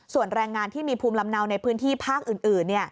ส่วนแรงงานที่มีภูมิลำเนาในพื้นที่ภาคอื่น